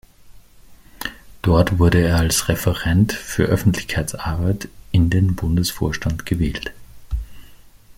Dort wurde er als Referent für Öffentlichkeitsarbeit in den Bundesvorstand gewählt.